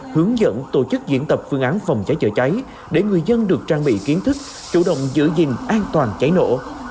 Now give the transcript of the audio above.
hướng dẫn tổ chức diễn tập phương án phòng trái chữa trái để người dân được trang bị kiến thức chủ động giữ gìn an toàn trái nổ